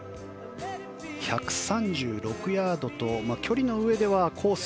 １３６ヤードと距離のうえではコース